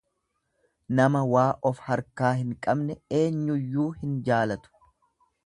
Nama waa of harkaa hin qabne eenyuyyuu hin jaalatu.